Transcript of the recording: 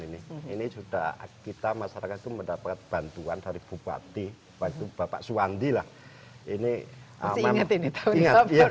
ini ini sudah kita masyarakat itu mendapat bantuan dari bupati waktu bapak suwandi lah ini memang ingat